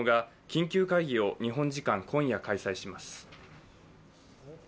緊急会議を日本時間今夜、開催します。